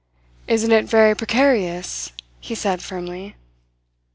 "Isn't it very precarious?" he said firmly.